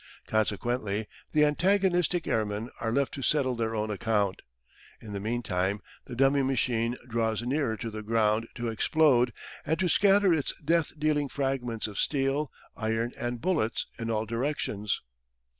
Consequently the antagonistic airmen are left to settle their own account. In the meantime the dummy machine draws nearer to the ground to explode and to scatter its death dealing fragments of steel, iron, and bullets in all directions.